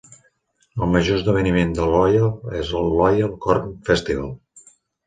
El major esdeveniment de Loyal és el Loyal Corn Festival.